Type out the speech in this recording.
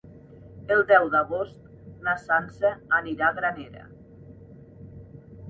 El deu d'agost na Sança anirà a Granera.